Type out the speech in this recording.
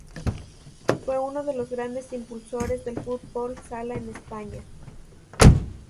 Fue uno de los grandes impulsores del fútbol sala en España.